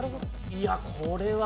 いやこれは。